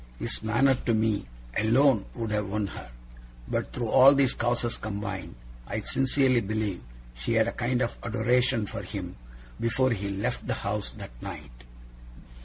His manner to me, alone, would have won her. But, through all these causes combined, I sincerely believe she had a kind of adoration for him before he left the house that night.